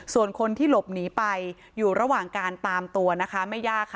ส่วนคนที่หลบหนีไปอยู่ระหว่างการตามตัวนะคะไม่ยากค่ะ